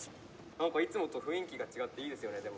「何かいつもと雰囲気が違っていいですよねでも」。